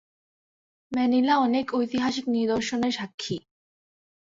Manila অনেক ঐতিহাসিক নিদর্শনের সাক্ষী।